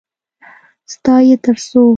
_ستا يې تر څو؟